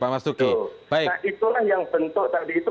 nah itulah yang bentuk tadi itu